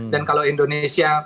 dan kalau indonesia